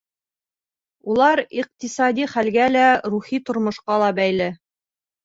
Улар иҡтисади хәлгә лә, рухи тормошҡа ла бәйле.